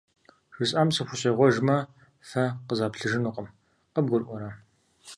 ЖысӀам сыхущӀегъуэжмэ фэ къызаплъыжынукъым, къыбгурыӀуэрэ?